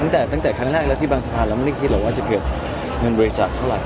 ตั้งแต่ครั้งแรกแล้วที่บางสะพานเราไม่ได้คิดหรอกว่าจะเก็บเงินบริจาคเท่าไหร